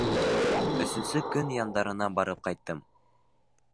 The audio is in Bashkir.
Өсөнсө көн яндарына барып ҡайттым.